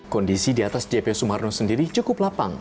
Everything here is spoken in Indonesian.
kondisi di atas jpo sumarno sendiri cukup lapang